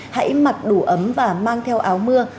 hãy mặc đủ ấm và mang theo áo mưa